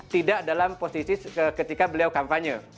tidak dalam posisi ketika beliau kampanye